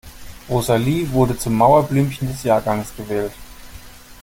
Rosalie wurde zum Mauerblümchen des Jahrgangs gewählt.